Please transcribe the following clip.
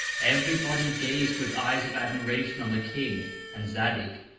Every Body gaz'd with Eyes of Admiration on the King and Zadig.